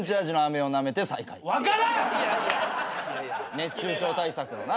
熱中症対策のな。